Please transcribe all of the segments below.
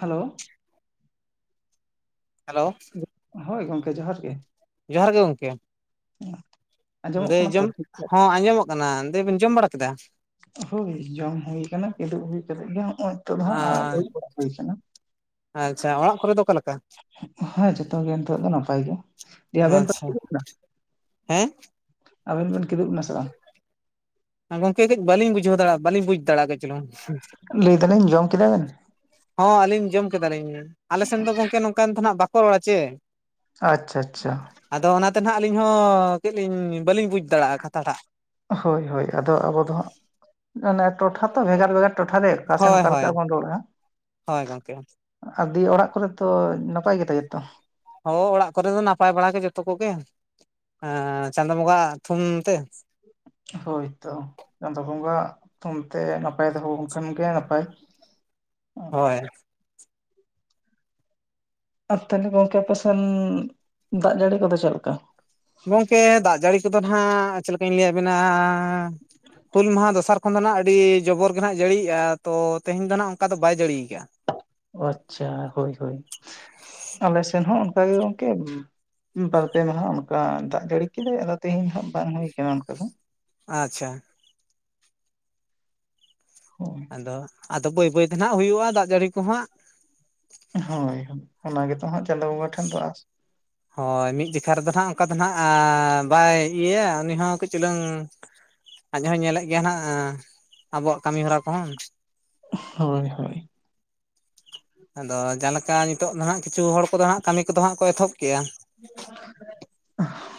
Hello hello ᱦᱳᱭ ᱜᱚᱝᱠᱮ ᱡᱚᱦᱟᱨ ᱜᱮ ᱡᱚᱦᱟᱨ ᱜᱮ ᱜᱚᱝᱠᱮ [unintelligible] ᱫᱟᱹᱭ ᱠᱟᱱᱟ ᱛᱚ ᱡᱚᱢ ᱴᱷᱤᱠ ᱴᱷᱟᱠ ᱦᱚᱸ ᱟᱸᱡᱚᱢᱚᱜ ᱠᱟᱱᱟ ᱫᱟᱹᱭ ᱵᱮᱱ ᱡᱚᱢ ᱵᱟᱲᱟ ᱠᱮᱫᱟ? ᱦᱳᱭ ᱡᱚᱢ ᱦᱩᱭ ᱠᱟᱱᱟ ᱠᱤᱫᱩᱵ ᱦᱩᱭ ᱠᱟᱛᱮᱫ ᱜᱮ ᱦᱚᱸᱜᱼᱚᱭ ᱱᱤᱛᱚᱜ ᱫᱚ ᱦᱟᱸᱜ ᱫᱩᱲᱩᱵ ᱵᱟᱲᱟ ᱦᱩᱭ ᱠᱟᱱᱟ ᱟᱪᱪᱷᱟ ᱚᱲᱟᱜ ᱠᱚᱨᱮ ᱫᱚ ᱚᱠᱟ ᱞᱮᱠᱟ? ᱦᱮᱸ ᱡᱚᱛᱚᱜ ᱜᱮ ᱱᱤᱛᱚᱜ ᱫᱚ ᱱᱟᱯᱟᱭ ᱜᱮ ᱫᱤᱭᱮ ᱟᱵᱮᱱ ᱵᱮᱱ ᱟᱪᱪᱷᱟ ᱠᱤᱫᱩᱵ ᱮᱱᱟ ᱦᱮᱸ ᱟᱵᱮᱱ ᱵᱮᱱ ᱠᱤᱫᱩᱵ ᱮᱱᱟ ᱥᱮ ᱵᱟᱝ? ᱜᱚᱝᱠᱮ ᱠᱟᱹᱡ ᱵᱟᱹᱞᱤᱧ ᱵᱩᱡᱷᱟᱹᱣ ᱫᱟᱲᱮᱭᱟᱜ ᱵᱟᱹᱞᱤᱧ ᱵᱩᱡ ᱫᱟᱲᱮᱭᱟᱜ ᱠᱟᱹᱡ ᱪᱩᱞᱩᱝ ᱞᱟᱹᱭ ᱫᱟᱞᱤᱧ ᱡᱚᱢ ᱠᱮᱫᱟ ᱵᱮᱱ ᱦᱚᱸ ᱟᱹᱞᱤᱧ ᱡᱚᱢ ᱠᱮᱫᱟᱞᱤᱧ ᱟᱞᱮ ᱥᱮᱱ ᱫᱚ ᱜᱚᱝᱠᱮ ᱱᱚᱝᱠᱟᱱ ᱫᱷᱚᱱᱟᱜ ᱵᱟᱠᱚ ᱨᱚᱲᱟ ᱪᱮ ᱟᱪᱪᱷᱟ ᱟᱪᱪᱷᱟ ᱟᱫᱚ ᱚᱱᱟᱛᱮ ᱦᱟᱜ ᱟᱹᱞᱤᱧ ᱦᱚᱸ ᱠᱟᱹᱡ ᱞᱤᱧ ᱵᱟᱹᱞᱤᱧ ᱵᱩᱡᱽ ᱫᱟᱲᱮᱭᱟᱜᱼᱟ ᱠᱟᱛᱷᱟ ᱴᱟᱜ ᱦᱳᱭ ᱦᱳᱭ ᱟᱫᱚ ᱟᱵᱚ ᱫᱚ ᱦᱟᱸᱜ ᱚᱱᱮ ᱴᱚᱴᱷᱟ ᱛᱚ ᱵᱷᱮᱜᱟᱨ ᱵᱷᱮᱜᱟᱨ ᱴᱚᱴᱷᱟ ᱨᱮ ᱚᱠᱟ ᱥᱮᱱ ᱦᱳᱭ ᱚᱠᱟ ᱦᱳᱭ ᱞᱮᱠᱟ ᱵᱚᱱ ᱨᱚᱲᱟ ᱦᱟᱜ ᱦᱳᱭ ᱜᱚᱝᱠᱮ ᱟᱨ ᱫᱤᱭᱮ ᱚᱲᱟᱜ ᱠᱚᱨᱮ ᱛᱚ ᱱᱟᱯᱟᱭ ᱜᱮᱛᱚ ᱡᱚᱛᱚ? ᱦᱳᱭ ᱚᱲᱟᱜ ᱠᱚᱨᱮ ᱫᱚ ᱱᱟᱯᱟᱭ ᱵᱟᱲᱟ ᱜᱮ ᱡᱚᱛᱚ ᱠᱚᱜᱮ ᱪᱟᱸᱫᱳ ᱵᱚᱸᱜᱟ ᱛᱷᱩᱢ ᱛᱮ᱾ ᱦᱳᱭᱛᱚ ᱪᱟᱸᱫᱚ ᱵᱚᱸᱜᱟ ᱛᱷᱩᱢᱛᱮ ᱱᱟᱯᱟᱭ ᱫᱚᱦᱚ ᱠᱷᱟᱱ ᱜᱮ ᱱᱟᱯᱟᱭ, [unintelligible] [unintelligible] ᱟᱨ ᱛᱟᱦᱚᱞᱮ ᱜᱚᱝᱠᱮ ᱟᱯᱮ ᱥᱮᱱ ᱫᱟᱜ ᱡᱟᱹᱲᱤ ᱠᱚᱫᱚ ᱪᱮᱫ ᱞᱮᱠᱟ? ᱜᱚᱝᱠᱮ ᱫᱟᱜ ᱡᱟᱹᱲᱤ ᱠᱚᱫᱚ ᱱᱟᱦᱟᱜ ᱪᱮᱫ ᱞᱮᱠᱟᱧ ᱞᱟᱹᱭᱟᱵᱤᱱᱟᱻ ᱦᱩᱞ ᱢᱟᱦᱟ ᱫᱚᱥᱟᱨ ᱠᱷᱚᱱ ᱫᱚ ᱱᱟᱜ ᱟᱹᱰᱤ ᱡᱚᱵᱚᱨ ᱜᱮ ᱱᱟᱦᱟᱜ ᱡᱟᱹᱲᱤᱭᱜᱼᱟ ᱛᱚ ᱛᱮᱦᱮᱧ ᱫᱚ ᱱᱟᱦᱟᱜ ᱚᱱᱠᱟ ᱫᱚ ᱵᱟᱭ ᱡᱟᱹᱲᱤᱭᱠᱟᱜᱼᱟ᱾ ᱚ ᱟᱪᱪᱷᱟ ᱦᱳᱭ ᱦᱳᱭ ᱟᱞᱮ ᱥᱮᱱ ᱦᱚᱸ ᱚᱱᱠᱟᱜ ᱜᱮ ᱜᱚᱝᱠᱮ᱾ ᱵᱟᱨᱯᱮ ᱢᱟᱦᱟ ᱚᱱᱠᱟ ᱫᱟᱜ ᱡᱟᱹᱲᱤ ᱠᱮᱫᱟᱭ ᱟᱫᱚ ᱛᱮᱦᱤᱧ ᱦᱟᱜ ᱵᱟᱝ ᱦᱩᱭᱩ ᱟᱠᱟᱱᱟ ᱚᱱᱠᱟ ᱫᱚ᱾ ᱟᱪᱪᱷᱟ, ᱦᱳᱭ ᱟᱫᱚ ᱟᱫᱚ ᱵᱟᱹᱭ ᱵᱟᱹᱭᱛᱮ ᱱᱟᱦᱜ ᱦᱩᱭᱩᱜᱼᱟ ᱫᱟᱜ ᱡᱟᱹᱲᱤ ᱠᱚ ᱦᱟᱸᱜ᱾ ᱦᱳᱭ ᱦᱳᱭ ᱚᱱᱟ ᱜᱮᱛᱚ ᱦᱟᱸᱜ ᱪᱟᱸᱫᱚ ᱵᱚᱸᱜᱟ ᱴᱷᱮᱱ ᱫᱚ ᱟᱥ᱾ ᱦᱳᱭ ᱢᱤᱫ ᱡᱚᱠᱷᱟ ᱨᱮᱫᱚ ᱱᱟᱦᱜ ᱚᱱᱠᱟ ᱫᱚ ᱱᱟᱸᱜ ᱵᱟᱭ ᱤᱭᱟᱹᱭᱟ ᱩᱱᱤ ᱦᱚᱸ ᱠᱟᱹᱡ ᱪᱩᱞᱩᱝ ᱟᱡ ᱦᱚᱭ ᱧᱮᱞᱮᱫ ᱜᱮᱭᱟ ᱱᱟᱜ ᱟᱵᱚᱣᱟᱜ ᱠᱟᱹᱢᱤ ᱦᱚᱨᱟ ᱠᱚᱦᱚᱸ᱾ ᱦᱳᱭ ᱦᱳᱭ᱾ ᱟᱫᱚ ᱡᱟᱦᱟᱸ ᱞᱮᱠᱟ ᱱᱤᱛᱚᱜ ᱫᱚ ᱱᱟᱦᱜ ᱠᱤᱪᱷᱩ ᱦᱚᱲ ᱠᱚᱫᱚ ᱦᱟᱸᱜ ᱠᱟᱹᱢᱤ ᱠᱚᱫᱚ ᱦᱟᱸᱜ ᱠᱚ ᱮᱛᱚᱦᱚᱵ ᱠᱮᱜᱼᱟ᱾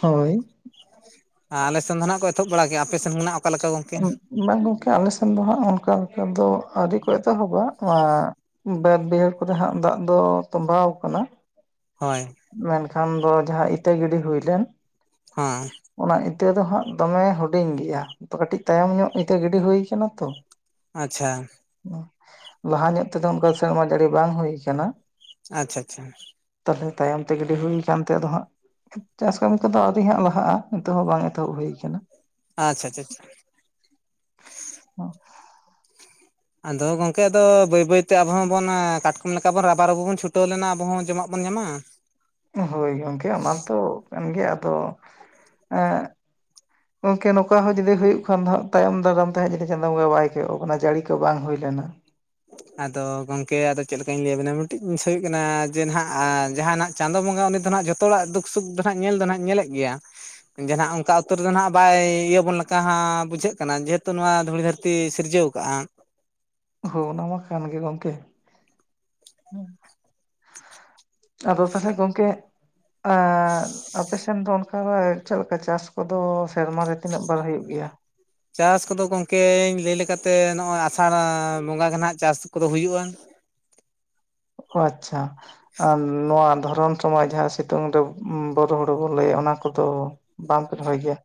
ᱦᱳᱭ᱾ ᱟᱨ ᱟᱞᱮ ᱥᱮᱱ ᱫᱚ ᱱᱟᱜ ᱠᱚ ᱮᱛᱚᱦᱚᱵ ᱵᱟᱲᱟ ᱠᱮᱜᱼᱟ, ᱟᱯᱮ ᱥᱮᱱ ᱱᱟᱦᱜ ᱚᱠᱟᱮ ᱞᱮᱠᱟ ᱜᱚᱝᱠᱮ? ᱵᱝᱟ ᱜᱚᱝᱠᱮ ᱟᱞᱮ ᱥᱮᱱ ᱫᱚ ᱦᱟᱸᱜ ᱚᱱᱠᱟ ᱞᱮᱠᱟ ᱫᱚ ᱟᱹᱨᱤ ᱠᱚ ᱮᱛᱚᱦᱚᱵᱟ᱾ ᱵᱟᱹᱫᱽ ᱵᱟᱹᱭᱦᱟᱹᱲ ᱠᱚᱨᱮ ᱦᱟᱸᱜ ᱫᱟᱜ ᱫᱚ ᱛᱚᱵᱟᱣ ᱟᱠᱟᱱᱟ᱾ ᱦᱳᱭ᱾ ᱢᱮᱱᱠᱷᱟᱱ ᱫᱚ ᱡᱟᱦᱟᱸ ᱤᱛᱟᱹ ᱜᱤᱰᱤ ᱦᱩᱭᱞᱮᱱ ᱦᱮᱸ᱾ ᱚᱱᱟ ᱤᱛᱟᱹ ᱫᱚ ᱦᱟᱸᱜ ᱫᱚᱢᱮ ᱦᱩᱰᱤᱧ ᱜᱮᱭᱟ᱾ ᱠᱟᱹᱴᱤᱡ ᱛᱟᱭᱚᱢ ᱧᱚᱜ ᱤᱛᱟᱹ ᱜᱤᱰᱤ ᱦᱩᱭ ᱠᱟᱱᱟ ᱛᱚ᱾ ᱟᱪᱪᱷᱟ᱾ ᱞᱟᱦᱟ ᱧᱚᱜ ᱛᱮᱫᱚ ᱚᱱᱠᱟ ᱥᱮᱨᱢᱟ ᱡᱟᱹᱲᱤ ᱵᱟᱝ ᱦᱩᱭ ᱟᱠᱟᱱᱟ᱾ ᱟᱪᱪᱷᱟ ᱟᱪᱪᱷᱟ᱾ ᱛᱟᱦᱚᱞᱮ ᱛᱟᱭᱚᱢ ᱛᱮ ᱜᱟᱹᱰᱤ ᱦᱩᱭ ᱟᱠᱟᱱ ᱛᱟᱦᱮᱸ ᱟᱫᱚ ᱦᱟᱸᱜ ᱪᱟᱥ ᱠᱟᱹᱢᱤ ᱠᱚᱫᱚ ᱟᱣᱨᱤ ᱦᱟᱸᱜ ᱞᱟᱦᱟᱜᱼᱟ, ᱱᱤᱛᱚᱜ ᱦᱚᱸ ᱵᱟᱝ ᱮᱛᱚᱦᱚᱵ ᱦᱩᱭ ᱟᱠᱟᱱᱟ᱾ ᱟᱪᱪᱷᱟ ᱟᱪᱪᱷᱟ [inaudible] [unintelligible] ᱟᱫᱚ ᱜᱚᱢᱠᱮ ᱟᱫᱚ ᱵᱟᱹᱭ ᱵᱟᱹᱭᱛᱮ ᱟᱵᱚ ᱦᱚᱸᱵᱚᱱ ᱠᱟᱴ ᱠᱚᱢ ᱞᱮᱠᱟ ᱵᱚᱱ ᱨᱟᱵᱟᱨᱩᱵᱩ ᱵᱚᱱ ᱪᱷᱴᱟᱹᱣ ᱞᱮᱱᱟ ᱟᱵᱚ ᱦᱚᱸ ᱡᱚᱢᱟᱜ ᱵᱚᱱ ᱧᱟᱢᱟ᱾ ᱦᱳᱭ ᱜᱚᱢᱠᱮ ᱚᱱᱟᱛᱚ ᱠᱟᱱ ᱜᱮᱭᱟ ᱟᱫᱚ ᱮᱸ ᱜᱚᱢᱠᱮ ᱱᱚᱝᱠᱟ ᱦᱚᱸ ᱡᱩᱫᱤ ᱦᱩᱭᱩᱜ ᱠᱷᱟᱱ ᱫᱚ ᱦᱟᱸᱜ ᱛᱟᱭᱚᱢ ᱫᱟᱨᱟᱢ ᱛᱮ ᱦᱟᱸ ᱡᱤ ᱪᱟᱸᱫᱳ ᱵᱚᱸᱜᱟ ᱵᱟᱭ ᱠᱚᱚᱜ ᱠᱟᱱᱟ ᱡᱟᱹᱲᱤ ᱠᱚ ᱵᱟᱝ ᱦᱩᱭ ᱞᱮᱱᱟ᱾ ᱟᱫᱚ ᱜᱚᱝᱠᱮ ᱟᱫᱚ ᱪᱮᱫ ᱞᱮᱠᱟᱧ ᱞᱟᱹᱭᱟᱵᱤᱱᱟ ᱢᱤᱫᱴᱤᱡ ᱵᱤᱥᱚᱭ ᱦᱩᱭᱩᱜ ᱠᱟᱱᱟ ᱡᱮ ᱱᱟᱦᱱᱟᱜ ᱡᱟᱦᱟᱱᱟᱜ ᱪᱟᱸᱫᱳ ᱵᱚᱸᱜᱟ ᱩᱱᱤ ᱫᱚ ᱱᱟᱦᱜ ᱡᱷᱚᱛᱚ ᱦᱚᱲᱟᱜ ᱫᱩᱠ ᱥᱩᱠ ᱫᱚ ᱦᱟᱸᱜ ᱧᱮᱞ ᱫᱚ ᱦᱟᱜ ᱧᱮᱞᱮᱫ ᱜᱮᱭᱟ᱾ ᱡᱟᱦᱟᱱᱟᱜ ᱚᱱᱠᱟ ᱩᱛᱟᱹᱨ ᱫᱚ ᱱᱟᱸᱜ ᱵᱟᱭ ᱤᱭᱟᱹ ᱵᱚᱱ ᱞᱮᱠᱟ ᱦᱟᱸᱜ ᱵᱩᱡᱷᱟᱹᱜ ᱠᱟᱱᱟ, ᱡᱮᱦᱮᱛᱩ ᱱᱚᱣᱟ ᱫᱷᱩᱲᱤ ᱫᱷᱟᱹᱨᱛᱤ ᱛᱤ ᱥᱤᱨᱡᱟᱹᱣ ᱠᱟᱜᱼᱟ᱾ ᱦᱳ ᱚᱱᱟ ᱢᱟ ᱠᱟᱱᱜᱮ ᱜᱚᱢᱠᱮ᱾ ᱟᱫᱚ ᱛᱟᱦᱚᱞᱮ ᱜᱚᱢᱠᱮ ᱮᱸ ᱟᱯᱮᱥᱮᱱ ᱫᱚ ᱚᱱᱠᱟ ᱪᱮᱫ ᱞᱮᱠᱟ ᱪᱟᱥ ᱠᱚᱫᱚ ᱥᱮᱨᱢᱟᱨ ᱨᱮ ᱛᱤᱱᱟᱹᱜ ᱵᱟᱨ ᱦᱩᱭᱩᱜ ᱜᱮᱭᱟ? ᱪᱟᱥ ᱠᱚᱫᱚ ᱜᱚᱢᱠᱮᱧ ᱞᱟᱹᱭ ᱞᱮᱠᱟᱛᱮ ᱱᱚᱜᱼᱚᱭ ᱟᱥᱟᱲ ᱵᱚᱸᱜᱟ ᱜᱮ ᱱᱟᱦᱜ ᱪᱟᱥ ᱠᱚᱫᱚ ᱦᱩᱭᱩᱜᱼᱟ᱾ ᱚ ᱟᱪᱪᱷᱟ ᱟᱨ ᱱᱚᱣᱟ ᱫᱷᱚᱨᱚᱱ ᱥᱚᱢᱚᱭ ᱡᱟᱦᱟᱸ ᱥᱤᱛᱩᱝ ᱨᱮ ᱵᱚᱨᱚ ᱦᱩᱲᱩ ᱵᱚᱱ ᱞᱟᱹᱭᱟ ᱚᱱᱟ ᱠᱚᱫᱚ ᱵᱟᱢᱯᱮ ᱨᱚᱦᱚᱭ ᱜᱮᱭᱟ?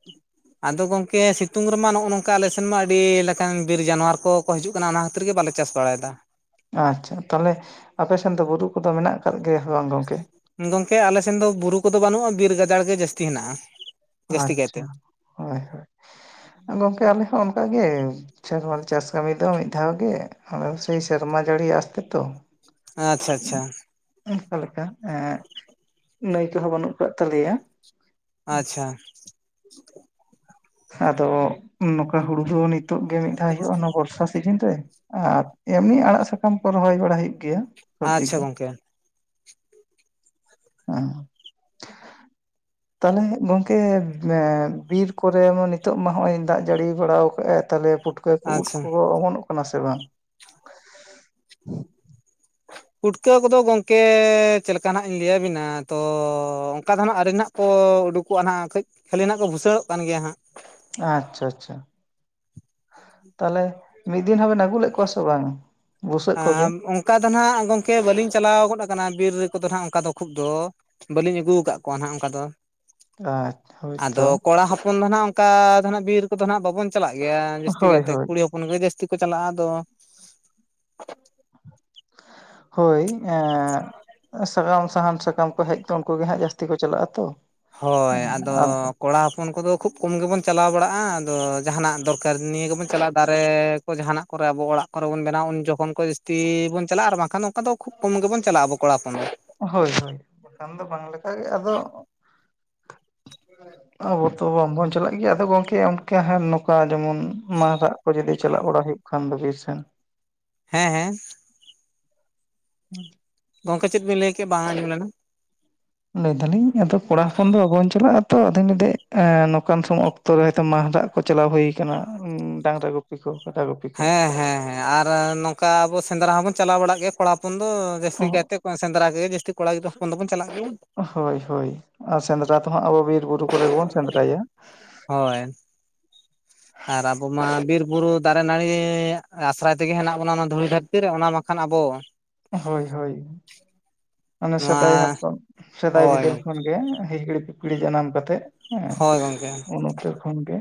ᱟᱫᱚ ᱜᱚᱝᱠᱮ ᱥᱤᱛᱩᱝ ᱨᱮᱢᱟ ᱱᱚᱜᱼᱚ ᱱᱚᱝᱠᱟ ᱟᱞᱮ ᱥᱮᱱ ᱢᱟ ᱟᱹᱰᱤ ᱞᱮᱠᱟᱱ ᱵᱤᱨ ᱡᱟᱱᱣᱟᱨ ᱠᱚᱠᱚ ᱦᱤᱡᱩᱜ ᱠᱟᱱᱟ ᱚᱱᱟ ᱠᱷᱟᱹᱛᱤᱨ ᱜᱮ ᱵᱟᱞᱮ ᱪᱟᱥ ᱵᱟᱲᱟᱭᱮᱫᱟ ᱟᱪᱪᱷᱟ ᱛᱟᱦᱚᱞᱮ ᱟᱯᱮᱥᱮᱱ ᱫᱚ ᱵᱩᱨᱩ ᱠᱚᱫᱚ ᱢᱮᱱᱟᱜ ᱠᱟᱫ ᱜᱮᱭᱟ ᱥᱮ ᱵᱟᱝ ᱜᱚᱝᱠᱮ? ᱜᱚᱝᱠᱮ ᱟᱞᱮ ᱥᱮᱱ ᱫᱚ ᱵᱩᱨᱩ ᱠᱚᱫᱚ ᱵᱟᱹᱱᱩᱜᱼᱟ, ᱵᱤᱨ ᱜᱟᱡᱟᱲ ᱜᱮ ᱡᱟᱹᱥᱛᱤ ᱦᱮᱱᱟᱜᱼᱟ ᱡᱟᱹᱥᱛᱤ ᱠᱟᱭᱛᱮ ᱟᱪᱪᱷᱟ ᱦᱳᱭ ᱦᱳᱭ, ᱜᱚᱝᱠᱮ ᱟᱞᱮ ᱦᱚᱸ ᱚᱱᱠᱟ ᱜᱮ ᱥᱮᱨᱢᱟᱨᱮ ᱪᱟᱥ ᱠᱟᱹᱢᱤ ᱫᱚ ᱢᱤᱫ ᱫᱷᱟᱣ ᱜᱮ ᱟᱫᱚ ᱥᱮᱭ ᱥᱮᱨᱢᱟ ᱡᱟᱹᱲᱤ ᱟᱸᱥ ᱛᱮᱛᱚ ᱟᱪᱪᱷᱟ ᱟᱪᱪᱷᱟ ᱚᱱᱠᱟ ᱞᱮᱠᱟ ᱮᱸ ᱱᱟᱹᱭ ᱠᱚᱦᱚᱸ ᱵᱟᱹᱱᱩᱜ ᱠᱟᱫ ᱛᱟᱞᱮᱭᱟ᱾ ᱟᱪᱪᱷᱟ ᱟᱫᱚ ᱱᱚᱝᱠᱟ ᱦᱩᱲᱩ ᱫᱚ ᱱᱤᱛᱳᱜ ᱜᱮ ᱢᱤᱫ ᱫᱷᱟᱣ ᱦᱩᱭᱩᱜᱼᱟ ᱚᱱᱟ ᱵᱚᱨᱥᱟ ᱥᱤᱡᱤᱱ ᱨᱮ᱾ ᱟᱨ ᱮᱢᱱᱤ ᱟᱲᱟᱜ ᱥᱟᱠᱟᱢ ᱠᱚ ᱨᱚᱦᱚᱭ ᱵᱟᱲᱟ ᱦᱩᱭᱩᱜ ᱜᱮᱭᱟ, ᱥᱚᱵᱡᱤ ᱟᱪᱪᱷᱟ ᱠᱚ ᱜᱚᱝᱠᱮ [unintelligible] ᱛᱟᱞᱦᱮ ᱜᱚᱝᱠᱮ ᱮᱸ ᱵᱤᱨ ᱠᱚᱨᱮ ᱢᱟ ᱱᱤᱛᱚᱜ ᱢᱟ ᱦᱚᱜ ᱚᱭ ᱫᱟᱜ ᱡᱟᱹᱲᱤ ᱵᱟᱲᱟᱣ ᱠᱟᱜ ᱟᱭ ᱛᱟᱦᱞᱮ ᱯᱩᱴ [unintelligible] ᱠᱚ ᱩᱫ ᱟᱪᱪᱷᱟ ᱠᱚ ᱚᱢᱚᱱᱚᱜ ᱠᱟᱱᱟ ᱥᱮ ᱵᱟᱝ? ᱯᱩᱴᱠᱟᱹ ᱠᱚᱫᱚ ᱜᱚᱝᱠᱮ ᱪᱮᱫ ᱞᱮᱠᱟ ᱱᱟᱜ ᱤᱧ ᱞᱟᱹᱭᱟᱵᱤᱱᱟ ᱛᱚ ᱚᱱᱠᱟ ᱫᱚ ᱱᱟᱜ ᱟᱣᱨᱤᱱᱟᱜ ᱠᱚ ᱩᱰᱩᱠᱚᱜᱼᱟ, ᱱᱟᱜ ᱠᱟᱹᱡ ᱠᱷᱟᱹᱞᱤ ᱱᱟᱜ ᱠᱚ ᱵᱷᱩᱥᱟᱹᱲᱚᱜ ᱠᱟᱱ ᱜᱮᱭᱟ ᱦᱟᱸᱜ᱾ ᱟᱪᱪᱷᱟ ᱟᱪᱪᱷᱟ, ᱛᱟᱦᱚᱞᱮ ᱢᱤᱫ ᱫᱤᱱ ᱦᱚᱵᱮᱱ ᱟᱹᱜᱩ ᱞᱮᱫ ᱠᱚᱣᱟ ᱥᱮ ᱵᱟᱝ? ᱵᱩᱥᱟᱹᱜ ᱠᱚᱜᱮ ᱟᱸ ᱚᱱᱠᱟ ᱫᱚ ᱱᱟᱜ ᱜᱚᱢᱠᱮ ᱵᱟᱹᱞᱤᱧ ᱪᱟᱞᱟᱣ ᱜᱚᱫ ᱠᱟᱱᱟ ᱵᱤᱨ ᱨᱮ ᱠᱚᱫᱚ ᱱᱟᱜ ᱚᱱᱠᱟ ᱫᱚ ᱠᱷᱩᱵ ᱫᱚ ᱵᱟᱹᱞᱤᱧ ᱟᱹᱜᱩ ᱠᱟᱫ ᱠᱚᱣᱟ ᱱᱟᱜ ᱚᱱᱠᱟ ᱫᱚ, ᱟᱪᱪᱷᱟ ᱦᱳᱭᱛᱚ ᱟᱫᱚ ᱠᱚᱲᱟ ᱦᱚᱯᱚᱱ ᱫᱚ ᱱᱟᱜ ᱚᱱᱠᱟ ᱫᱚ ᱱᱟᱜ ᱵᱤᱨ ᱠᱚᱫᱚ ᱦᱟᱸᱜ ᱵᱟᱵᱚᱱ ᱪᱟᱞᱟᱜ ᱜᱮᱭᱟ ᱡᱟᱹᱥᱛᱤ ᱦᱳᱭ ᱠᱟᱭᱛᱮ ᱦᱳᱭ ᱠᱩᱲᱤ ᱦᱚᱯᱚᱱ ᱜᱮ ᱡᱟᱹᱥᱛᱤ ᱠᱚ ᱪᱟᱞᱟᱜᱼᱟ ᱟᱫᱚ ᱦᱳᱭ ᱮᱸ ᱥᱟᱠᱟᱢ ᱥᱟᱦᱟᱱ ᱥᱟᱠᱟᱢ ᱠᱚ ᱦᱮᱡ ᱠᱚ ᱩᱱᱠᱩ ᱜᱮ ᱦᱟᱸᱜ ᱡᱟᱹᱥᱛᱤ ᱠᱚ ᱪᱟᱞᱟᱜᱼᱟ, ᱛᱚ ᱦᱳᱭ ᱟᱫᱚ ᱠᱚᱲᱟ ᱦᱚᱯᱚᱱ ᱠᱚᱫᱚ ᱠᱷᱩᱵ ᱠᱚᱢ ᱜᱮᱵᱚᱱ ᱪᱟᱞᱟᱣ ᱵᱟᱲᱟᱜᱼᱟ, ᱟᱫᱚ ᱡᱟᱦᱱᱟᱜ ᱫᱚᱨ ᱟᱨ ᱱᱤᱭᱟᱹ ᱜᱮᱵᱚᱱ ᱪᱟᱞᱟᱜᱼᱟ ᱫᱟᱨᱮ ᱠᱚ ᱡᱟᱦᱟᱸᱱᱟᱜ ᱠᱚᱨᱮ ᱟᱵᱚ ᱚᱲᱟᱜ ᱠᱚᱨᱮ ᱵᱚᱱ ᱵᱮᱱᱟᱣᱟ ᱩᱱ ᱡᱚᱠᱷᱚᱱ ᱠᱚ ᱡᱟᱹᱥᱛᱤ ᱵᱚᱱ ᱪᱟᱞᱟᱜᱼᱟ ᱟᱨ ᱵᱟᱝᱠᱷᱟᱱ ᱚᱱᱠᱟ ᱫᱚ ᱠᱷᱩᱵ ᱠᱚᱢ ᱜᱮᱵᱚᱱ ᱪᱟᱞᱟᱜᱼᱟ, ᱟᱵᱚ ᱠᱚᱲᱟ ᱦᱚᱯᱚᱱ ᱫᱚ᱾ ᱦᱳᱭ ᱦᱳᱭ ᱵᱟᱠᱷᱟᱱ ᱫᱚ ᱵᱟᱝ ᱞᱮᱠᱟᱜ ᱜᱮ ᱟᱫᱚ ᱟᱵᱚ ᱛᱚ ᱵᱟᱝᱵᱚᱱ ᱪᱟᱞᱟᱜ ᱜᱮᱭᱟ ᱟᱫᱚ ᱜᱚᱝᱠᱮ ᱚᱱᱠᱟ ᱦᱟᱸᱜ ᱱᱚᱝᱠᱟ ᱡᱮᱢᱚᱱ ᱢᱟᱨᱟᱜ ᱠᱚ ᱡᱩᱫᱤ ᱪᱟᱞᱟᱜ ᱵᱟᱲᱟ ᱦᱩᱭᱩᱜ ᱠᱷᱟᱱ ᱫᱚ ᱵᱤᱨ ᱥᱮᱱ᱾ ᱦᱮᱸ ᱦᱮᱸ ᱜᱚᱝᱠᱮ ᱪᱮᱫ ᱵᱤᱱ ᱞᱟᱹᱭ ᱠᱮᱭᱟ ᱵᱟᱝ ᱟᱸᱡᱚᱢ ᱞᱮᱱᱟ? ᱞᱟᱹᱭ ᱫᱟᱞᱤᱧ ᱟᱫᱚ ᱠᱚᱲᱟ ᱦᱚᱯᱚᱱ ᱫᱚ ᱵᱟᱵᱧ ᱪᱟᱞᱟᱜᱼᱟ ᱛᱚ ᱟᱫᱷᱤᱱ ᱞᱫᱷᱮ ᱮᱸ ᱱᱚᱝᱠᱟᱱ ᱥᱚᱢ, ᱚᱠᱛᱚ ᱚᱠᱛᱚ ᱨᱮ ᱦᱚᱭᱛᱚ ᱢᱟᱦᱨᱟᱜ ᱠᱚ ᱪᱟᱞᱟᱣ ᱦᱩᱭ ᱠᱟᱱᱟ ᱰᱟᱝᱨᱟ ᱜᱩᱯ ᱜᱩᱯᱤ ᱠᱚ ᱠᱟᱰᱟ ᱜᱩᱯᱤ ᱠᱚ ᱦᱮᱸ ᱦᱮᱸ ᱦᱮᱸ ᱟᱨ ᱱᱚᱝᱠᱟ ᱟᱵᱚ ᱥᱮᱸᱫᱽᱨᱟ ᱦᱚᱸᱵᱚᱱ ᱪᱟᱞᱟᱣ ᱵᱟᱲᱟᱜ ᱜᱮᱭᱟ ᱠᱚᱲᱟ ᱦᱚᱯᱚᱱ ᱫᱚ ᱡᱟᱹᱥᱛᱤ ᱠᱟᱭᱛᱮ ᱥᱮᱸᱫᱽᱨᱟ ᱜᱮ ᱡᱟᱹᱥᱛᱤ ᱠᱚᱲᱟ ᱜᱤᱫᱽ ᱦᱚᱯᱚᱱ ᱫᱚᱵᱚᱱ ᱪᱟᱞᱟᱜ [unintelligible] ᱦᱳᱭ ᱦᱳᱭ ᱟᱨ ᱥᱮᱸᱫᱽᱨᱟ ᱛᱚ ᱦᱟᱸᱜ ᱟᱵᱚ ᱵᱤᱨ-ᱵᱩᱨᱩ ᱠᱚᱨᱮᱜ ᱵᱚᱱ ᱥᱮᱸᱫᱽᱨᱟᱭᱟ ᱦᱳᱭ ᱟᱨ ᱟᱵᱚ ᱢᱟ ᱵᱤᱨ-ᱵᱩᱨᱩ ᱫᱟᱨᱮ ᱱᱟᱹᱲᱤ ᱟᱥᱨᱟᱭ ᱛᱮᱜᱮ ᱦᱮᱱᱟᱜ ᱵᱚᱱᱟ ᱚᱱᱟ ᱫᱷᱩᱲᱤ ᱫᱷᱟᱹᱨ [unintelligible] ᱨᱮ ᱚᱱᱟ ᱢᱟᱠᱷᱟᱱ ᱟᱵᱚ ᱦᱳᱭ ᱦᱳᱭ ᱢᱟᱱᱮ ᱥᱮᱫᱟᱭ ᱱᱚᱣᱟ ᱦᱟᱯᱲᱟᱢ ᱥᱮᱫᱟᱭ ᱦᱳᱭ ᱵᱤᱫᱟᱹᱞ ᱠᱷᱚᱱ ᱦᱤᱦᱤᱲᱤ ᱯᱤᱯᱤᱲᱤ ᱡᱟᱱᱟᱢ ᱠᱟᱛᱮᱜ ᱦᱮᱸ ᱦᱳᱭ ᱜᱚᱝᱠᱮ ᱩᱱ ᱩᱛᱟᱹᱨ ᱠᱷᱚᱱ ᱜᱮ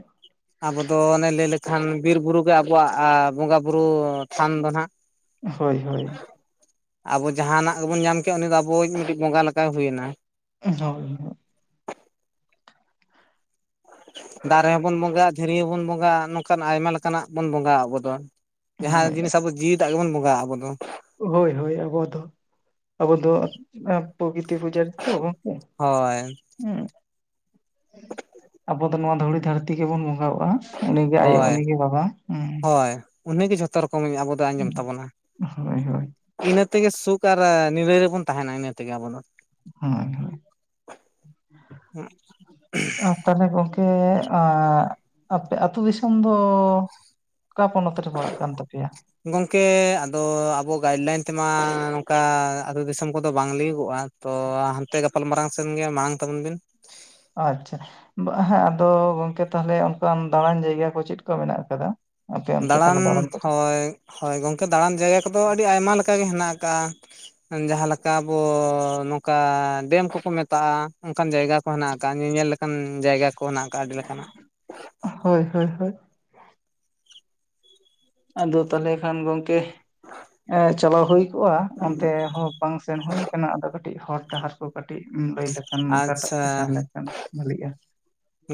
ᱟᱵᱚ ᱫᱚ ᱚᱱᱮ ᱞᱟᱹᱭ ᱞᱮᱠᱷᱟᱱ ᱵᱤᱨ ᱵᱩᱨᱩ ᱜᱮ ᱟᱵᱚᱣᱟᱜ ᱵᱚᱸᱜᱟ ᱵᱩᱨᱩ ᱛᱷᱟᱱ ᱫᱚ ᱱᱟᱜ ᱾ ᱦᱚᱭ ᱦᱚᱭ ᱾ ᱟᱵᱚ ᱡᱟᱦᱟᱱᱟᱜ ᱜᱮᱵᱚᱱ ᱧᱟᱢ ᱠᱮᱜ ᱩᱱᱤ ᱫᱚ ᱟᱵᱚᱭᱤᱡ ᱩᱱᱤ ᱵᱚᱸᱜᱟ ᱞᱮᱠᱟᱭ ᱦᱩᱭᱮᱱᱟ ᱾ [unintelligible] ᱫᱟᱨᱮ ᱦᱚᱸᱵᱚᱱ ᱵᱚᱸᱜᱟ ᱦᱟᱜ ᱫᱷᱤᱨᱤ ᱦᱚᱸᱵᱚᱱ ᱵᱚᱸᱜᱟ ᱦᱟᱜ ᱱᱚᱝᱠᱟᱱ ᱟᱭᱢᱟ ᱞᱮᱠᱟᱱᱟᱜ ᱵᱚᱱ ᱵᱚᱸᱜᱟ ᱟᱵᱚ ᱫᱚ ᱾ ᱡᱟᱦᱟᱸ ᱦᱳᱭ ᱡᱤᱱᱤᱥ ᱟᱵᱚ ᱡᱤᱣᱤᱫᱟᱜ ᱜᱮᱵᱚᱱ ᱵᱚᱸᱜᱟ ᱦᱟᱜᱼᱟ ᱟᱵᱚ ᱫᱚ᱾ ᱦᱳᱭ ᱦᱳᱭ ᱟᱵᱚ ᱫᱚ, ᱟᱵᱚ ᱫᱚᱼᱼ ᱮ ᱯᱨᱚᱠᱤᱛᱤ ᱯᱩᱡᱟᱹ ᱛᱚ ᱜᱚᱢᱠᱮ ᱦᱳᱭ ᱾ ᱦᱩᱸ, ᱟᱵᱚ ᱫᱚ ᱱᱚᱣᱟ ᱫᱷᱩᱲᱤ ᱫᱷᱟᱹᱨᱛᱤ ᱜᱮᱵᱚᱱ ᱵᱚᱸᱜᱟᱣᱟᱜᱼᱟ ᱾ ᱩᱱᱤ ᱜᱮ ᱟᱭᱳ ᱦᱳᱭ ᱩᱱᱤ ᱜᱮ ᱵᱟᱵᱟ ᱦᱩᱸ ᱦᱳᱭ ᱩᱱᱤᱜᱮ ᱡᱷᱚᱛᱚ ᱨᱚᱠᱚᱢ ᱟᱵᱚ ᱫᱚ ᱟᱸᱡᱚᱢ ᱛᱟᱵᱚᱱᱟ ᱾ ᱦᱚᱭ ᱦᱚᱭ ᱾ ᱤᱱᱟᱹ ᱛᱮᱜᱮ ᱥᱩᱠ ᱟᱨ ᱱᱤᱨᱟᱹᱭ ᱨᱮᱵᱚᱱ ᱛᱟᱦᱮᱱᱟ ᱤᱱᱟᱹ ᱛᱮᱜᱮ ᱟᱵᱚ ᱫᱚ ᱾ ᱦᱳᱭ ᱦᱳᱭ [unintelligible] ᱛᱟᱦᱞᱮ ᱜᱚᱝᱠᱮ ᱟᱯᱮ ᱟᱹᱛᱩ ᱫᱤᱥᱚᱢ ᱫᱚᱼᱼ ᱚᱠᱟ ᱯᱚᱱᱚᱛ ᱨᱮ ᱯᱟᱲᱟᱜ ᱠᱟᱱ ᱛᱟ ᱯᱮᱭᱟ ᱾ ᱜᱚᱝᱠᱮ ᱟᱫᱚ ᱟᱵᱚ ᱜᱟᱭᱤᱰ ᱞᱟᱭᱤᱱ ᱛᱮᱢᱟ ᱱᱚᱝᱠᱟ ᱟᱹᱛᱩ ᱫᱤᱥᱚᱢ ᱠᱚᱫᱚ ᱵᱟᱝ ᱞᱟᱹᱭᱩᱜᱚᱜᱼᱟ ᱾ ᱛᱚ ᱦᱟᱱᱛᱮ ᱜᱟᱯᱟᱞ ᱢᱟᱨᱟᱝ ᱥᱮᱱ ᱜᱮ ᱢᱟᱲᱟᱝ ᱛᱟᱵᱚᱱ ᱵᱤᱱ ᱾ ᱟᱪᱪᱷᱟ, ᱦᱮᱸ ᱟᱫᱚ ᱜᱚᱝᱠᱮ ᱛᱟᱦᱞᱮ ᱚᱱᱠᱟᱱ ᱫᱟᱲᱟᱱ ᱡᱟᱭᱜᱟ ᱠᱚ ᱪᱮᱫ ᱠᱚ ᱢᱮᱱᱟᱜ ᱟᱠᱟᱫᱟ ᱾ ᱫᱟᱲᱟᱱ ᱦᱚᱭ, ᱦᱚᱭ ᱜᱚᱝᱠᱮ ᱫᱟᱰᱟᱱ ᱡᱟᱭᱜᱟ ᱠᱚᱫᱚ ᱟᱹᱰᱤ ᱟᱭᱢᱟ ᱞᱮᱠᱟᱜ ᱜᱮ ᱦᱮᱱᱟᱜ ᱟᱠᱟᱜᱼᱟ ᱾ ᱡᱟᱦᱟ ᱞᱮᱠᱟ ᱟᱵᱚ ᱱᱚᱝᱠᱟ ᱰᱮᱢ ᱠᱚᱠᱚ ᱢᱮᱛᱟᱜᱼᱟ ᱚᱱᱠᱟᱱ ᱡᱟᱭᱜᱟ ᱾ ᱠᱚ ᱦᱮᱱᱟᱜ ᱟᱠᱟᱜᱼᱟ, ᱧᱮ ᱧᱮᱞ ᱞᱮᱠᱟᱱ ᱡᱟᱭᱜᱟ ᱠᱚ ᱦᱮᱱᱟᱜ ᱟᱠᱟᱜ-ᱟ ᱟᱹᱰᱤ ᱞᱮᱠᱟᱱᱟᱜ ᱾ ᱦᱳᱭ ᱦᱳᱭ ᱦᱳᱭ ᱾ ᱟᱫᱚ ᱛᱟᱦᱞᱮ ᱠᱷᱟᱱ ᱜᱚᱝᱠᱮ, ᱪᱟᱞᱟᱣ ᱦᱳᱭᱼᱼ ᱠᱚᱜᱟ ᱚᱱᱛᱮ ᱦᱚᱸ ᱵᱟᱝ ᱥᱮᱱ ᱦᱩᱭᱩ ᱠᱟᱱᱟ ᱟᱫᱚ ᱠᱟᱹᱴᱤᱡ ᱦᱚᱨ ᱰᱟᱦᱟᱨ ᱠᱚ ᱠᱟᱹᱴᱤᱡ ᱮᱢ ᱞᱟᱹᱭ ᱞᱮᱠᱼᱼ ᱠᱷᱟᱱ ᱚᱠᱟ ᱴᱟᱜ ᱟᱪᱪᱷᱟ ᱛᱮ ᱥᱮᱱ ᱞᱮᱱᱠᱷᱟᱱ ᱵᱷᱟᱞᱤᱜᱼᱟ ᱾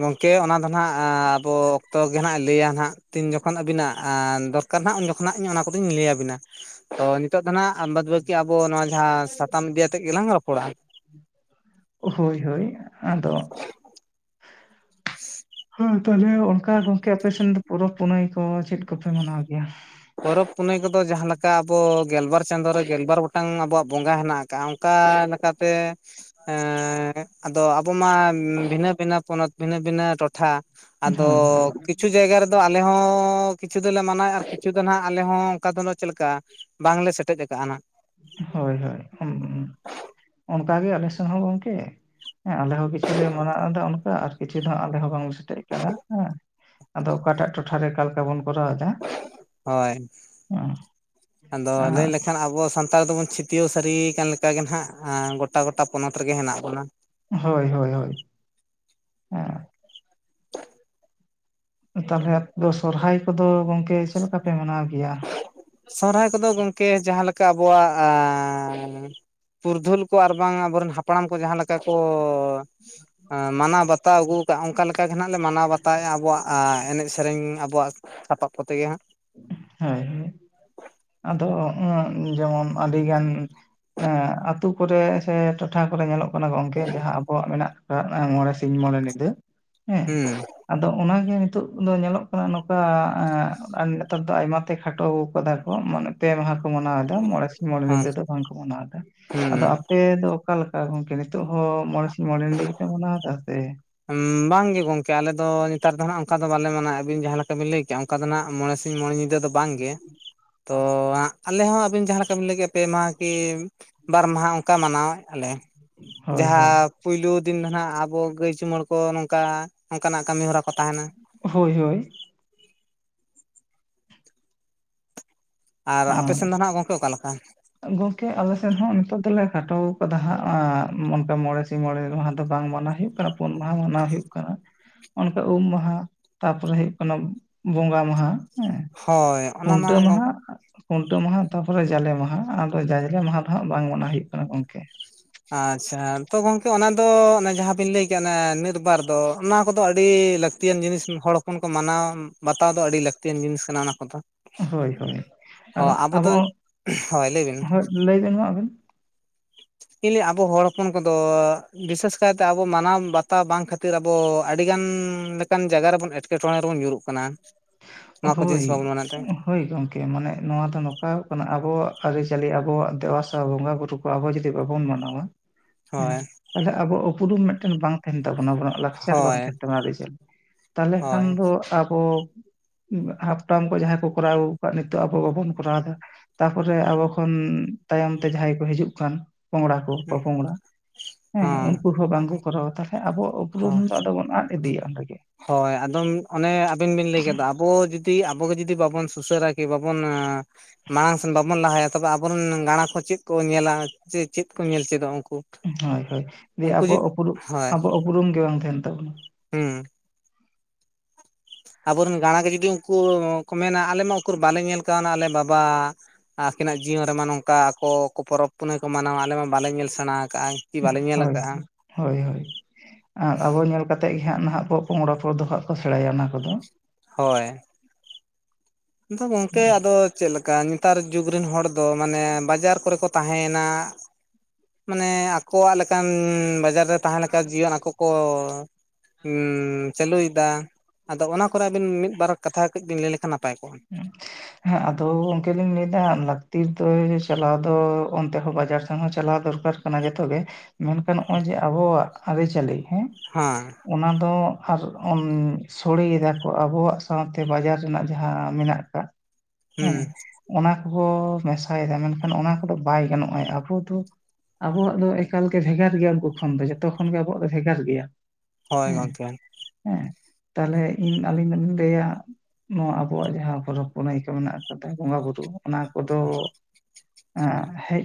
ᱜᱚᱝᱠᱮ ᱚᱱᱟ ᱫᱚ ᱱᱟᱜ ᱟᱵᱚ ᱚᱠᱛᱚ ᱜᱮ ᱱᱟᱜ ᱮ ᱞᱟᱹᱭᱟ ᱦᱟᱜ ᱛᱤᱱ ᱡᱚᱠᱷᱚᱱ ᱟᱵᱤᱱᱟᱜ ᱫᱚᱨᱼᱼ ᱠᱟᱨ ᱩᱱ ᱡᱚᱠᱷᱚᱱ ᱱᱟᱜ ᱚᱱᱟ ᱠᱚ ᱫᱚᱸᱧ ᱞᱟᱹᱭ ᱟᱵᱤᱱᱟ ᱛᱚ ᱱᱤᱛᱚᱜ ᱫᱚ ᱱᱟᱜᱼᱼ ᱵᱟᱫᱽ ᱵᱟᱹᱠᱤ ᱟᱵᱚ ᱱᱚᱣᱟ ᱡᱟᱦᱟ ᱥᱟᱛᱟᱢ ᱤᱫᱤᱭᱟᱛᱮᱫ ᱜᱮᱞᱟᱝ ᱨᱚᱯᱚᱲᱟ ᱾ ᱦᱳᱭ ᱦᱳᱭ ᱟᱫᱚᱼᱼ ᱦᱩᱸ ᱛᱟᱦᱞᱮ ᱚᱱᱠᱟ ᱜᱚᱝᱠᱮ ᱟᱯᱮ ᱥᱮᱱ ᱫᱚ ᱯᱚᱨᱚᱵᱽ ᱯᱩᱱᱟᱹᱭ ᱠᱚ ᱪᱮᱫ ᱠᱚᱯᱮ ᱢᱟᱱᱟᱣ ᱜᱮᱭᱟ? ᱯᱚᱨᱚᱵᱽ ᱯᱩᱱᱟᱹᱭ ᱠᱚᱫᱚ ᱡᱟᱦᱟ ᱞᱮᱠᱟ ᱟᱵᱚ ᱜᱮᱞ ᱵᱟᱨ ᱪᱟᱸᱫᱳ ᱨᱮ ᱜᱮᱞ ᱵᱟᱨ ᱜᱚᱴᱟᱝ ᱟᱵᱚᱣᱟᱜ ᱵᱚᱸᱜᱟ ᱦᱮᱱᱟᱜ ᱟᱠᱟᱜᱼᱟ ᱚᱱᱠᱟᱼᱼ ᱚᱱᱠᱟᱛᱮ ᱮ ᱟᱫᱚ ᱟᱵᱚ ᱢᱟ ᱵᱷᱤᱱᱟᱹ ᱵᱷᱤᱱᱟᱹ ᱯᱚᱱᱚᱛᱼᱼ ᱵᱷᱤᱱᱟᱹ ᱵᱷᱤᱱᱟ, ᱴᱚᱴᱷᱟ ᱟᱫᱚᱼᱼ ᱦᱳᱭ ᱠᱤᱪᱷᱩ ᱡᱟᱭᱜᱟ ᱨᱮᱫᱚ ᱟᱞᱮ ᱦᱚᱸ ᱠᱤᱪᱷᱩ ᱫᱚᱞᱮ ᱢᱟᱱᱟᱣ ᱢᱟᱱᱟᱣᱮᱼᱟ ᱾ ᱠᱤᱪᱷᱩ ᱫᱚ ᱱᱟᱜ ᱟᱞᱮ ᱦᱚᱸ ᱚᱱᱠᱟ ᱫᱚ ᱪᱮᱫ ᱞᱮᱠᱟ ᱵᱟᱝ ᱞᱮ ᱥᱮᱴᱮᱡ ᱟᱠᱟᱜᱼᱟ ᱱᱟᱜ ᱾ ᱦᱚᱭ ᱦᱚᱭ, ᱚᱱᱠᱟ ᱜᱮ ᱟᱞᱮ ᱥᱮᱱ ᱦᱚᱸ ᱜᱚᱝᱠᱮ ᱾ ᱦᱮᱸ ᱟᱞᱮ ᱦᱚᱸ ᱠᱤᱪᱷᱩ ᱞᱮ ᱢᱟᱱᱟᱣ ᱮᱫᱟ ᱚᱱᱠᱟ ᱟᱨᱼᱼ ᱠᱤᱪᱷᱩ ᱟᱞᱮ ᱦᱚᱸ ᱵᱟᱝ ᱥᱮᱴᱮᱡ ᱟᱠᱟᱫᱟ ᱦᱮᱸ ᱟᱫᱚ ᱚᱠᱟ ᱴᱟᱜ ᱴᱚᱴᱷᱟ ᱨᱮ ᱚᱠᱟ ᱞᱮᱠᱟ ᱵᱚᱱ ᱠᱚᱨᱟᱣᱟ ᱾ ᱦᱳᱭ ᱟᱫᱚ ᱞᱟᱹᱭ ᱞᱮᱠᱷᱟᱱ ᱟᱵᱚ ᱥᱟᱱᱛᱼᱼ ᱛᱟᱲ ᱫᱚ ᱵᱚᱱ ᱪᱷᱟᱹᱛᱤᱭᱟᱹᱣ ᱥᱟᱹᱨᱤ ᱟᱠᱟᱱ ᱞᱮᱠᱟ ᱜᱮ ᱱᱟᱜ ᱜᱚᱴᱟ ᱜᱚᱴᱟ ᱯᱚᱱᱚᱛ ᱨᱮᱜᱮ ᱦᱮᱱᱟᱜ ᱵᱚᱱᱟ ᱾ ᱦᱚᱭ ᱦᱚᱭ ᱦᱚᱭ ᱦᱮᱸ ᱛᱟᱦᱞᱮ ᱟᱫᱚ ᱥᱚᱨᱦᱟᱭ ᱠᱚᱫᱚ ᱜᱚᱝᱠᱮ ᱪᱮᱫ ᱞᱮᱠᱟ ᱯᱮ ᱢᱟᱱᱟᱣ ᱜᱮᱭᱟ? ᱥᱚᱨᱦᱟᱭ ᱠᱚᱫᱚ ᱜᱚᱝᱠᱮ ᱡᱟᱦᱟ ᱞᱮᱠᱟ ᱟᱵᱚᱣᱟᱜᱼᱼ ᱯᱩᱨᱫᱷᱩᱞ ᱠᱚ ᱟᱨ ᱵᱟᱝ ᱟᱵᱚ ᱨᱮᱱ ᱦᱟᱯᱲᱟᱢ ᱠᱚ ᱡᱟᱦᱟ ᱞᱮᱠᱟ ᱠᱚ, ᱢᱟᱱᱟᱣ ᱵᱟᱛᱟᱣ ᱟᱹᱜᱩᱼᱼ ᱚᱱᱠᱟ ᱞᱮᱠᱟ ᱜᱮ ᱱᱟᱜ ᱞᱮ ᱢᱟᱱᱟᱣ ᱵᱟᱛᱟᱣ ᱮᱜᱼᱟ ᱟᱵᱚᱣᱟᱜ ᱮᱱᱮᱡ ᱥᱮᱨᱮᱧ ᱟᱵᱚᱣᱟᱜ ᱥᱟᱯᱟᱵ ᱠᱚᱛᱮ ᱜᱮ ᱦᱟᱸᱜ᱾ ᱦᱳᱭ ᱦᱳᱭ ᱟᱫᱚ ᱡᱮᱢᱚᱱ ᱟᱹᱰᱤ ᱜᱟᱱ ᱟᱹᱛᱳ ᱠᱚᱨᱮ ᱥᱮ ᱴᱚᱴᱷᱟ ᱠᱚᱨᱮ ᱧᱮᱞ ᱚᱜ ᱚᱱᱟ ᱜᱚᱝᱠᱮ ᱡᱟᱦᱟ ᱟᱵᱚᱣᱟᱜ ᱢᱮᱱᱟᱜ ᱟᱠᱟᱜ ᱢᱚᱬᱮ ᱥᱤᱧ ᱢᱚᱬᱮ ᱧᱤᱫᱟᱹ ᱦᱮᱸ, ᱟᱫᱚ ᱚᱱᱟ ᱜᱮ ᱱᱤᱛᱳᱜ ᱫᱚ ᱧᱮᱞ ᱚᱜ ᱠᱟᱱᱟ ᱱᱚᱝᱠᱟ ᱟᱨ ᱱᱮᱛᱟᱨ ᱫᱚ ᱟᱭᱢᱟ ᱛᱮ ᱠᱷᱟᱴᱚ ᱟᱠᱟᱫᱟ ᱠᱚ ᱢᱟᱱᱮ ᱯᱮ ᱢᱟᱦᱟ ᱠᱚ ᱢᱟᱱᱟᱣ ᱮᱫᱟ ᱢᱚᱬᱮ ᱥᱤᱧ ᱢᱚᱬᱮ‌ ᱦᱩᱸ ᱧᱤᱫᱟᱹ ᱫᱚ᱾ ᱵᱟᱝ ᱠᱚ ᱢᱟᱱᱟᱣ ᱫᱟ᱾ ᱦᱮᱸ ᱟᱫᱚ ᱟᱯᱮ ᱫᱚ ᱚᱠᱟ ᱞᱮᱠᱟ ᱜᱚᱝᱠᱮ ᱱᱤᱛ ᱦᱚᱸ ᱢᱚᱬᱮ ᱢᱚᱬᱮ ᱧᱤᱫᱟᱹ ᱜᱮᱯᱮ ᱢᱟᱱᱟᱣ ᱫᱟ ᱥᱮ ᱵᱟᱝ ᱜᱮ ᱜᱚᱝᱠᱮ ᱟᱞᱮ ᱫᱚ ᱱᱮᱛᱟᱨ ᱫᱚ ᱦᱟᱸᱜ ᱚᱱᱠᱟ ᱫᱚ ᱵᱟᱞᱮ ᱢᱟᱱᱟᱣ ᱟᱵᱤᱱ ᱡᱟᱦᱟ ᱞᱮᱠᱟ ᱵᱤᱱ ᱞᱟᱹᱭ ᱠᱮᱜᱼᱟ ᱚᱱᱠᱟ ᱫᱚ ᱦᱟᱸᱜ ᱢᱚᱬᱮ ᱥᱤᱧ ᱢᱚᱬᱮ ᱧᱤᱫᱟᱹ ᱧᱤᱫᱟᱹ ᱵᱟᱝ ᱜᱮ᱾ ᱛᱚ ᱟᱞᱮ ᱦᱚᱸ ᱟᱹᱵᱤᱱ ᱡᱟᱦᱟ ᱞᱮᱠᱟ ᱵᱤᱱ ᱞᱟᱹᱭ ᱠᱮᱫ ᱯᱮ ᱢᱟᱦᱟ ᱠᱤ ᱵᱟᱨ ᱢᱟᱦᱟ ᱚᱱᱠᱟ ᱢᱟᱱᱟᱣ ᱮᱜᱼᱟ ᱞᱮ, ᱦᱳᱭ ᱡᱟᱦᱟ ᱦᱳᱭ ᱯᱳᱭᱞᱳ ᱫᱤᱱ ᱫᱚ ᱱᱟᱜ ᱟᱵᱚ ᱜᱟᱹᱭ ᱪᱩᱢᱟᱹᱲ ᱠᱚ ᱱᱚᱝᱠᱟ, ᱱᱚᱝᱠᱟ ᱱᱟᱜ ᱠᱟᱹᱢᱤ ᱦᱚᱨᱟ ᱠᱚ ᱛᱟᱦᱮᱱᱟ᱾ ᱦᱳᱭ ᱦᱳᱭ᱾ ᱟᱨ ᱟᱯᱮ ᱚᱸ ᱥᱮᱱ ᱫᱚ ᱱᱟᱜ ᱜᱚᱝᱠᱮ ᱚᱠᱟ ᱞᱮᱠᱟ? ᱜᱚᱝᱠᱮ ᱟᱞᱮ ᱥᱮᱱ ᱦᱚᱸ ᱱᱤᱛᱚᱜ ᱫᱚ ᱞᱮ ᱠᱷᱟᱴᱚ ᱟᱠᱟᱫᱟ ᱦᱟᱸᱜ, ᱚᱱᱠᱟ ᱢᱚᱬᱮ ᱢᱚᱬᱮ ᱢᱟᱦᱟ ᱫᱚ ᱵᱟᱝ ᱢᱟᱱᱟᱣ ᱦᱩᱭᱩᱜ ᱠᱟᱱᱟ ᱯᱩᱱ ᱢᱟᱦᱟ ᱢᱟᱱᱟᱣ ᱦᱩᱭᱩᱜ ᱠᱟᱱᱟ᱾ ᱚᱱᱠᱟ ᱩᱢ ᱢᱟᱦᱟ ᱛᱟᱯᱚᱨᱮ ᱦᱩᱭᱩᱜ ᱠᱟᱱᱟ ᱵᱚᱸᱜᱟ ᱢᱟᱦᱟ᱾ ᱦᱮᱸ ᱦᱳᱭ ᱚᱱᱟ ᱢᱟ ᱠᱷᱩᱱᱴᱟᱹᱣ ᱜᱚᱝ ᱢᱟᱦᱟ ᱠᱷᱩᱱᱴᱟᱹᱣ ᱢᱟᱦᱟ ᱛᱟᱯᱚᱨᱮ ᱡᱟᱞᱮ ᱢᱟᱦᱟ ᱟᱫᱚ ᱡᱟᱞᱮ ᱢᱟᱦᱟ ᱫᱚ ᱦᱟᱸᱜ ᱵᱟᱝ ᱢᱟᱱᱟᱣ ᱦᱩᱭᱩᱜ ᱠᱟᱱᱟ ᱜᱚᱢᱠᱮ᱾ ᱟᱪᱪᱷᱟ ᱛᱚ ᱜᱚᱝᱠᱮ ᱚᱱᱟ ᱫᱚ ᱚᱱᱮ ᱡᱟᱦᱟᱸ ᱵᱤᱱ ᱞᱟᱹᱭᱠᱮᱜ ᱱᱤᱛᱵᱟᱨ ᱫᱚ ᱚᱱᱟ ᱠᱚᱫᱚ ᱟᱹᱰᱤ ᱞᱟᱹᱠᱛᱤ ᱞᱟᱹᱠᱛᱤᱭᱟᱱ ᱡᱤᱱᱤᱥ ᱦᱚᱲ ᱦᱚᱯᱚᱱ ᱠᱚ ᱢᱟᱱᱟᱣ ᱵᱟᱛᱟᱣ ᱫᱚ ᱟᱹᱰᱤ ᱞᱟᱹᱠᱛᱤᱭᱟᱱ ᱡᱤᱱᱤᱥ ᱠᱟᱱᱟ ᱚᱱᱟ ᱠᱚᱫᱚ᱾ ᱦᱳᱭ ᱦᱳᱭ ᱟᱫᱚ ᱦᱚᱸ ᱫᱚ ᱟᱵᱚ ᱦᱳᱭ ᱞᱟᱹᱭ ᱵᱤᱱ ᱦᱳᱭ ᱞᱟᱹᱭᱵᱤᱱ ᱢᱟ ᱟᱵᱮᱱ, ᱤᱧ ᱞᱟᱹᱭ ᱟᱵᱚ ᱦᱚᱲ ᱦᱚᱯᱚᱱ ᱠᱚᱫᱚ ᱵᱤᱥᱮᱥ ᱠᱟᱭᱛᱮ ᱟᱵᱚ ᱢᱟᱱᱟᱣ ᱵᱟᱛᱟᱣ ᱵᱟᱝ ᱠᱷᱟᱹᱛᱤᱨ ᱠᱷᱟᱹᱛᱤᱨ ᱟᱵᱚ ᱟᱹᱰᱤ ᱜᱟᱱ ᱞᱮᱠᱟᱱ ᱡᱟᱭᱜᱟ ᱨᱮᱵᱚᱱ ᱮᱴᱠᱮᱴᱚᱬᱮ ᱨᱮᱵᱚᱱ ᱧᱩᱨᱩᱜ ᱠᱟᱱᱟ᱾ ᱱᱚᱣᱟ ᱠᱚ ᱦᱳᱭ ᱡᱤᱱᱤᱥ ᱵᱟᱵᱚᱱ ᱢᱟᱱᱟᱣ ᱛᱮ᱾ ᱦᱳᱭ ᱜᱚᱝᱠᱮ ᱢᱟᱱᱮ ᱱᱚᱣᱟ ᱫᱚ ᱱᱚᱝᱠᱟ ᱠᱟᱱᱟ ᱟᱵᱚᱣᱟᱜ ᱟᱹᱨᱤᱪᱟᱹᱞᱤ ᱟᱵᱚᱣᱟᱜ ᱫᱮᱵᱟᱥᱮᱵᱟ ᱵᱚᱸᱜᱟ ᱵᱩᱨᱩ ᱟᱵᱚ ᱡᱩᱫᱤ ᱵᱟᱵᱚᱱ ᱢᱟᱱᱟᱣᱟ ᱦᱳᱭ ᱛᱟᱦᱚᱞᱮ ᱟᱵᱚᱣᱟᱜ ᱩᱯᱨᱩᱢ ᱢᱤᱫᱴᱮᱱ ᱵᱟᱝ ᱛᱟᱦᱮᱱ ᱛᱟᱵᱚᱱᱟ᱾ ᱞᱟᱠᱪᱟᱨ ᱵᱟᱝ ᱦᱳᱭ ᱛᱟᱦᱮᱱ ᱠᱟᱱᱟ [unintelligible] ᱛᱟᱦᱚᱞᱮ ᱠᱷᱟᱱ ᱦᱳᱭ ᱫᱚ ᱟᱵᱚ ᱦᱟᱯᱴᱟᱢ ᱠᱚ ᱡᱟᱦᱟᱸ ᱠᱚ ᱠᱚᱨᱟᱣ ᱟᱜᱩᱠᱟᱫ ᱱᱤᱛᱚᱜ ᱟᱵᱚ ᱵᱟᱵᱚᱱ ᱠᱚᱨᱟᱣ ᱮᱫᱟ᱾ ᱛᱟᱯᱚᱨᱮ ᱟᱵᱚ ᱠᱷᱚᱱ ᱛᱟᱭᱚᱢ ᱛᱮ ᱡᱟᱦᱟᱸᱭ ᱠᱚ ᱦᱤᱡᱩᱜ ᱠᱟᱱ ᱯᱚᱝᱲᱟ, ᱯᱚ-ᱯᱚᱝᱲᱟ ᱦᱮᱸ ᱩᱱᱠᱩ ᱦᱚᱸ ᱵᱟᱝᱠᱚ ᱠᱚᱨᱟᱣᱟ ᱛᱟᱦᱚᱞᱮ ᱟᱵᱚ ᱩᱯᱩᱨᱩᱢ ᱫᱚ ᱟᱫᱚ ᱵᱚᱱ ᱟᱫ ᱤᱫᱤᱭᱟ ᱚᱸᱰᱮ ᱜᱮ᱾ ᱦᱳᱭ ᱟᱫᱚᱢ ᱚᱱᱮ ᱟᱵᱤᱱ ᱵᱤᱱ ᱞᱟᱹᱭ ᱠᱮᱫᱟ ᱟᱵᱚ ᱡᱩᱫᱤ ᱟᱵᱚᱜ ᱜᱮ ᱡᱩᱫᱤ ᱵᱟᱵᱚᱱ ᱩᱥᱟᱹᱨᱟ ᱠᱤ ᱵᱟᱵᱚᱱ ᱢᱟᱲᱟᱝ ᱥᱮᱱ ᱵᱟᱵᱚᱱ ᱞᱟᱦᱟᱭᱟ ᱛᱚᱵᱮ ᱟᱵᱚᱨᱮᱱ ᱜᱟᱲᱟ ᱠᱚ ᱪᱮᱫ ᱠᱚ ᱧᱮᱞᱟ ᱪᱮᱫ ᱠᱚ ᱧᱮᱞ ᱪᱮᱫᱚᱜᱼᱟ ᱩᱱᱠᱩ᱾ ᱦᱳᱭ ᱦᱳᱭ ᱫᱤᱭᱮ ᱩᱱᱠᱩ ᱡᱩᱫᱤ ᱟᱵᱚᱣᱟᱜ ᱩᱯᱩᱨᱩᱢ ᱦᱳᱭ ᱟᱵᱚᱣᱟᱜ ᱩᱯᱨᱩᱢ ᱜᱮ ᱵᱟᱝ ᱛᱟᱦᱮᱱ ᱛᱟᱵᱚᱱᱟ᱾ ᱦᱩᱸ ᱟᱵᱚᱨᱮᱱ ᱜᱟᱲᱟ ᱜᱮ ᱡᱩᱫᱤ ᱩᱱᱠᱩ ᱠᱚ ᱢᱮᱱᱟ ᱟᱞᱮ ᱢᱟ ᱩᱱᱠᱩ ᱵᱟᱞᱮ ᱧᱮᱞ ᱠᱟᱣᱱᱟ ᱟᱞᱮ ᱵᱟᱵᱟ ᱟᱹᱠᱤᱱᱟᱜ ᱡᱤᱭᱚᱱ ᱨᱮᱢᱟ ᱱᱚᱝᱠᱟ ᱟᱠᱚ ᱯᱚᱨᱚᱵᱽ ᱯᱩᱱᱟᱹᱭ ᱠᱚ ᱢᱟᱱᱟᱣᱟ ᱟᱞᱮ ᱢᱟ ᱵᱟᱞᱮ ᱧᱮᱞ ᱥᱮᱬᱟ ᱟᱠᱟᱜ ᱟᱭ᱾ ᱦᱳᱭ᱾ ᱦᱳᱭ ᱦᱳᱭ, ᱟᱨ ᱟᱵᱚ ᱧᱮᱞ ᱠᱟᱛᱮᱫ ᱜᱮ ᱦᱟᱸᱜ ᱱᱟᱦᱟᱜ ᱯᱚᱝᱲᱟ ᱯᱚᱨ ᱫᱚ ᱦᱟᱸᱜ ᱠᱚ ᱥᱮᱬᱟᱭᱟ ᱚᱱᱟ ᱠᱚᱫᱚ᱾ ᱦᱳᱭ᱾ ᱟᱫᱚ ᱜᱚᱝᱠᱮ ᱟᱫᱚ ᱪᱮᱫ ᱞᱮᱠᱟ- ᱚᱱᱠᱟ ᱱᱮᱛᱟᱨ ᱡᱩᱜᱽ ᱨᱮᱱ ᱦᱚᱲ ᱫᱚ ᱢᱟᱱᱮ ᱵᱟᱡᱟᱨ ᱠᱚᱨᱮ ᱠᱚ ᱛᱟᱦᱮᱸᱭᱮᱱᱟ, ᱢᱟᱱᱮ ᱟᱠᱚᱣᱟᱜ ᱞᱮᱠᱟᱱ ᱵᱟᱡᱟᱨ ᱨᱮ ᱛᱟᱦᱮᱸᱞᱮᱠᱟ ᱡᱤᱭᱚᱱ ᱟᱠᱚ ᱠᱚ ᱪᱟᱹᱞᱩᱭᱮᱫᱟ ᱟᱫᱚ ᱚᱱᱟ ᱠᱚᱨᱮ ᱟᱵᱤᱱ ᱢᱤᱫ ᱵᱟᱨ ᱠᱟᱛᱷᱟ ᱠᱟᱹᱡ ᱵᱤᱱ ᱞᱟᱹᱭ ᱞᱮᱠᱷᱟᱱ ᱱᱟᱯᱟᱭ ᱠᱚᱜᱼᱟ? [unintelligible] ᱦᱮᱸ ᱟᱫᱚ ᱜᱚᱝᱠᱮᱞᱤᱧ ᱞᱟᱹᱭᱮᱫᱟ ᱞᱟᱹᱠᱛᱤ ᱫᱚ ᱪᱟᱞᱟᱣ ᱫᱚ ᱚᱱᱛᱮ ᱦᱚᱸ ᱵᱟᱡᱟᱨ ᱥᱮᱱ ᱦᱚᱸ ᱪᱟᱞᱟᱣ ᱫᱚᱨᱠᱟᱨ, ᱠᱟᱱᱟ ᱡᱚᱛᱚ ᱜᱮ᱾ ᱢᱮᱱᱠᱷᱟᱱ ᱱᱚᱜᱼᱚᱭ ᱡᱮ ᱟᱵᱚᱣᱟᱜ ᱟᱹᱨᱤᱪᱟᱹᱞᱤ ᱦᱮᱸ, ᱦᱮᱸ᱾ ᱚᱱᱟ ᱫᱚ ᱟᱨ ᱥᱚᱲᱮᱭᱮᱫᱟᱠᱚ ᱟᱵᱚᱣᱟᱜ ᱥᱟᱶᱛᱮ ᱵᱟᱡᱟᱨ ᱨᱮᱱᱟᱜ ᱡᱟᱦᱟᱸ ᱡᱟᱦᱟᱸ ᱢᱮᱱᱟᱜ ᱟᱠᱟᱫ ᱦᱩᱸ ᱦᱮᱸ, ᱚᱱᱟ ᱠᱚᱦᱚ ᱢᱮᱥᱟᱭᱮᱫᱟ ᱢᱮᱱᱠᱷᱟᱱ ᱚᱱᱟ ᱠᱚᱫᱚ ᱵᱟᱭ ᱜᱟᱱᱚᱜᱼᱟ, ᱟᱵᱚ ᱫᱚ ᱟᱵᱚᱣᱟᱜ ᱫᱚ ᱮᱠᱟᱞᱜᱮ ᱵᱷᱮᱜᱟᱨ ᱜᱮᱭᱟ ᱩᱱᱠᱩ ᱠᱷᱚᱱ ᱫᱚ ᱡᱚᱛᱚ ᱠᱷᱚᱱ ᱜᱮ ᱟᱵᱚᱣᱟᱜ ᱫᱚ ᱵᱷᱮᱜᱟᱨ ᱜᱮᱭᱟ᱾ ᱦᱳᱭ ᱦᱮᱸ ᱜᱚᱝᱠᱮ ᱦᱮᱸ ᱛᱟᱦᱚᱞᱮ ᱤᱧ ᱟᱹᱞᱤᱧ ᱫᱚᱞᱤᱧ ᱞᱟᱹᱭᱟ ᱱᱚᱣᱟ ᱟᱵᱚᱣᱟᱜ ᱡᱟᱦᱟᱸ ᱯᱚᱨᱚᱵᱽ ᱯᱩᱱᱟᱹᱭ ᱠᱚ ᱢᱮᱱᱟᱜ ᱠᱟᱫᱟ ᱵᱚᱸᱜᱟ ᱵᱩᱨᱩ ᱚᱱᱟ ᱠᱚᱫᱚ ᱦᱮᱡ